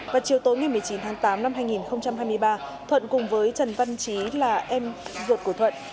vào chiều tối ngày một mươi chín tháng tám năm hai nghìn hai mươi ba thuận cùng với trần văn trí là em ruột của thuận